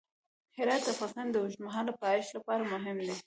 هرات د افغانستان د اوږدمهاله پایښت لپاره مهم دی.